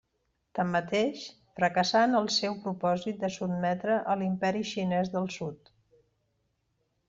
Tanmateix, fracassà en el seu propòsit de sotmetre a l'imperi xinès del sud.